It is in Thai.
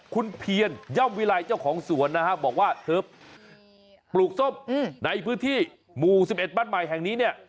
คุณเพียรย่อมวิลัยเจ้าของสวนนะฮะบอกว่าเธอปลูกส้มในพื้นที่หมู่๑๑บ้านใหม่แห่งนี้เนี่ย